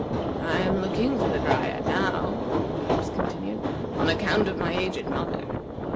"I am looking for the Dryad now," Old Pipes continued, "on account of my aged mother.